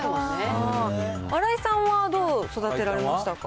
新井さんはどう育てられましたか。